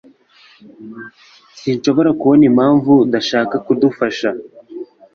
Sinshobora kubona impamvu udashaka kudufasha.